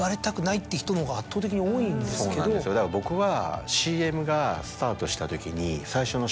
そうなんですよだから僕は。